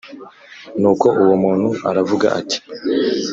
Nuko uwo muntu aravuga ati